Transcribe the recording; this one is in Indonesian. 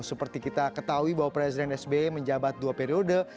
seperti kita ketahui bahwa presiden sbi menjabat dua periode